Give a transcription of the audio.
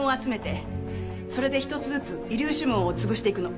それで一つずつ遺留指紋をつぶしていくの。